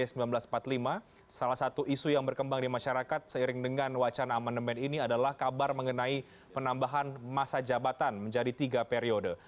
salah satu isu yang berkembang di masyarakat seiring dengan wacana amandemen ini adalah kabar mengenai penambahan masa jabatan menjadi tiga periode